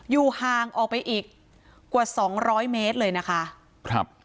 อยู่ห่างออกไปอีกกว่าสองร้อยเมตรเลยนะคะครับ